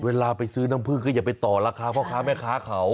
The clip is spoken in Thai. เวลาไปซื้อน้ำผึ้งก็อย่าไปต่อราคาพ่อค้าแม่ค้าเขา